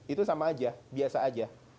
itu sama aja biasa aja